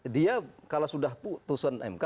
dia kalau sudah putusan mk